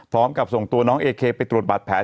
พร้อมกับส่งตัวน้องเอเคไปตรวจบาดแผล